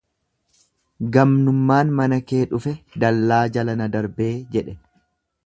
Gamnummaan mana kee dhufe dallaa jala na darbee jedhe.